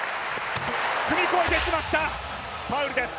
踏み込んでしまった、ファウルです